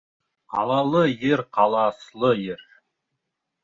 Ҡалалы ер ҡаласлы ер.